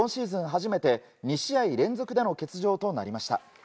初めて２試合連続での欠場となりました。